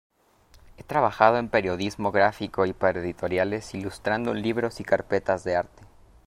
Ha trabajado en periodismo gráfico y para editoriales ilustrando libros y carpetas de arte.